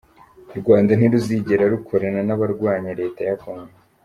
U Rwanda ntiruzigera rukorana n’abarwanya leta ya congo